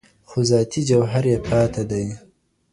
خو ذاتي جوهر یې پاته دی